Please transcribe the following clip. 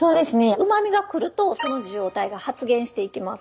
うま味が来るとその受容体が発現していきます。